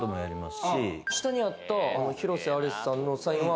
下にあった広瀬アリスさんのサインは？